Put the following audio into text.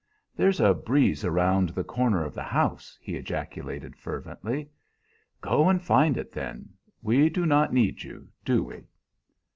"There's a breeze around the corner of the house!" he ejaculated fervently. "Go and find it, then; we do not need you. Do we?"